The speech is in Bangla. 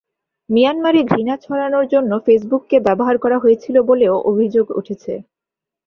মিয়ানমারে ঘৃণা ছড়ানোর জন্য ফেসবুককে ব্যবহার করা হয়েছিল বলেও অভিযোগ উঠেছে।